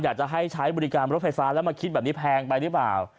อยากจะให้ใช้บริการรถไฟฟ้าแล้วมาคิดแบบนี้แพงไปหรือเปล่า